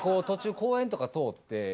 途中公園とか通って。